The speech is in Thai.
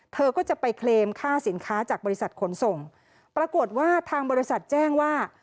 เธอก็จะไปเคลมค่าสินค้าจากบริษัทขนส่งปรากฏว่าทางบริษัทแจ้งว่า